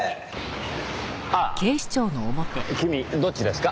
ああ君どっちですか？